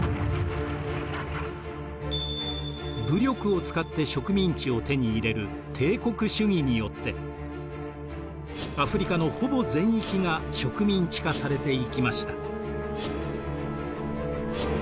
武力を使って植民地を手に入れる帝国主義によってアフリカのほぼ全域が植民地化されていきました。